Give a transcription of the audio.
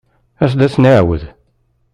As-d ad as-nɛawed.